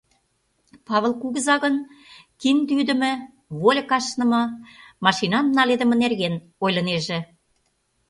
Павыл кугыза гын кинде ӱдымӧ, вольык ашныме, машинам наледыме нерген ойлынеже.